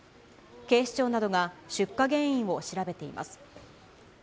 警視庁などが出火原因を調べています。